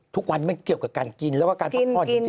ทุกวันมันเกี่ยวกับการกินแล้วก็การพักผ่อนจริง